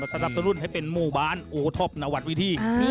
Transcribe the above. สนับสนุนให้เป็นหมู่บ้านโอท็อปนวัดวิธี